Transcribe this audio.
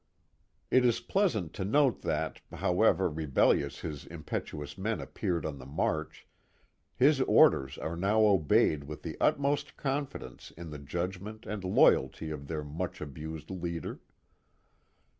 It is pleasant to note that, however rebellious his impetu ous men appeared on the march, his orders are now obeyed with the utmost confidence in the judgment and loyalty of their much abused leader.